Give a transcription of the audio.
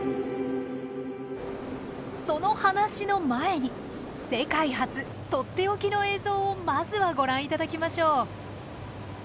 その話の前に世界初取って置きの映像をまずはご覧いただきましょう。